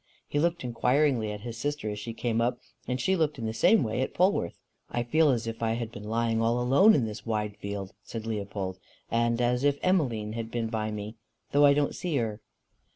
He looked inquiringly at his sister as she came up, and she looked in the same way at Polwarth. "I feel as if I had been lying all alone in this wide field," said Leopold, "and as if Emmeline had been by me, though I didn't see her."